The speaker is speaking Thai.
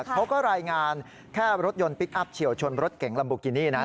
เขาก็รายงานแค่รถยนต์พลิกอัพเฉียวชนรถเก๋งลัมโบกินี่นะ